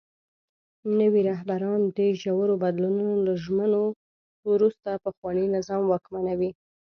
نوي رهبران د ژورو بدلونونو له ژمنو وروسته پخواني نظام واکمنوي.